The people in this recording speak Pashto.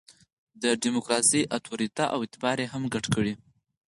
د ډیموکراسي اُتوریته او اعتبار یې هم ګډ کړي.